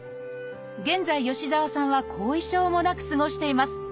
現在吉澤さんは後遺症もなく過ごしています。